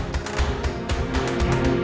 bagaimana ini dengan murid